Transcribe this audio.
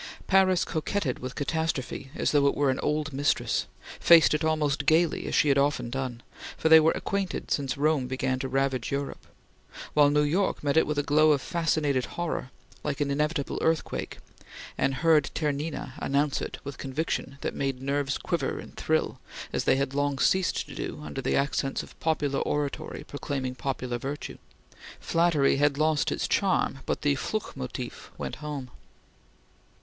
Paris coquetted with catastrophe as though it were an old mistress faced it almost gaily as she had done so often, for they were acquainted since Rome began to ravage Europe; while New York met it with a glow of fascinated horror, like an inevitable earthquake, and heard Ternina announce it with conviction that made nerves quiver and thrill as they had long ceased to do under the accents of popular oratory proclaiming popular virtue. Flattery had lost its charm, but the Fluch motif went home.